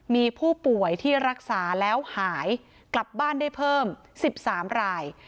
มีผู้ป่วยที่รักษาแล้วหายกลับบ้านได้เพิ่ม๑๓ราย